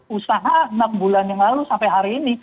usaha enam bulan yang lalu sampai hari ini